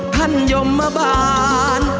พันธุ์ยมบาบาน